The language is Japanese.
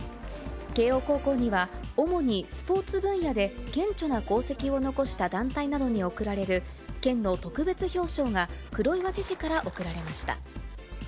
慶応高校には、主にスポーツ分野で顕著な功績を残した団体などに贈られる、県の特別表彰が黒岩知事から贈られました。